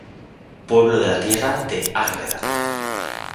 Pueblo de la Tierra de Ágreda.